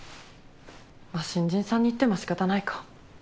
まあ新人さんに言っても仕方ないか。